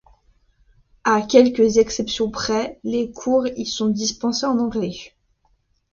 À quelques exceptions près, les cours y sont dispensés en anglais.